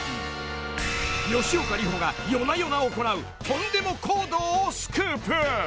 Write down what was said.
［吉岡里帆が夜な夜な行うとんでも行動をスクープ］